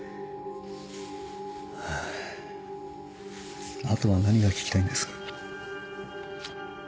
ハァあとは何が聞きたいんです？